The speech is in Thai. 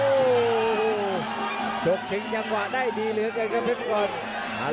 โอ้โหชกชิงจังหวะได้ดีเหลือเกินครับเพชรก่อน